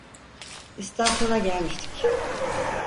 İstasyona gelmiştik.